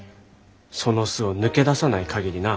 その巣を抜け出さないかぎりな。